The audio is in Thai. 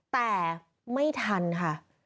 แต่ไม่ทันค่ะ